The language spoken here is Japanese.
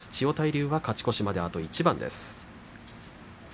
千代大龍は勝ち越しまであと一番です。